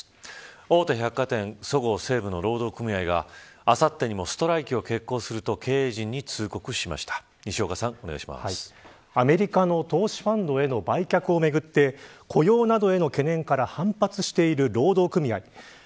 大手百貨店そごう・西武の労働組合があさってにもストライキを決行するとアメリカの投資ファンドへの売却をめぐって雇用などへの懸念から反発している労働組合。